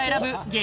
激